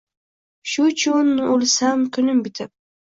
Shu-chun, o’lsam, kunim bitib